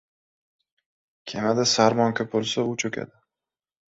• Kemada sarbon ko‘p bo‘lsa, u cho‘kadi.